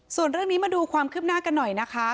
ส่วนเรื่องนี้มาดูความคืบหน้ากันหน่อยนะคะ